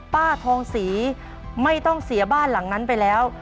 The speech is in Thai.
ป้าทองศรีไม่ต้องเสียบ้านหลังนั้นไปแล้ว